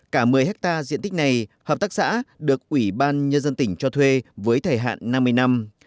cả một mươi hectare diện tích này hợp tác xã được ủy ban nhân dân tỉnh cho thuê với thời hạn năm mươi năm